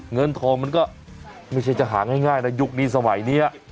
เงินทองมันก็ไม่ใช่จะหาง่ายนะยุคนี้สมัยนี้